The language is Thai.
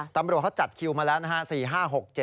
ตำรวจเขาจัดคิวมาแล้วนะฮะ